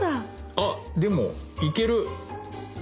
あでもいける！